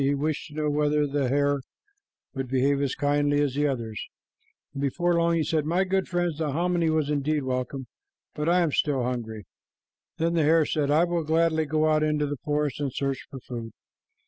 He wished to know whether the hare would behave as kindly as the others, and before long he said, "My good friends, the hominy was indeed welcome, but I am still hungry." Then the hare said, "I will gladly go out into the forest and search for food."